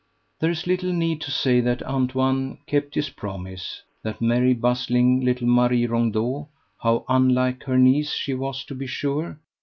There is little need to say that Antoine kept his promise; that merry bustling little Marie Rondeau (how unlike her niece she was, to be sure!)